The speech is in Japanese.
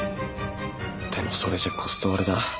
でもそれじゃコスト割れだ。